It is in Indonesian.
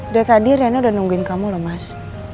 dari tadi rena udah nungguin kamu loh mas